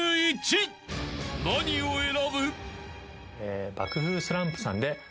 ［何を選ぶ？］